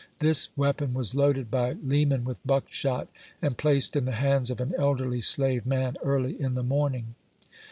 This weapon was loaded by Leeman with buckshot, and placed in the hands of an elderly slave man, early in the morning.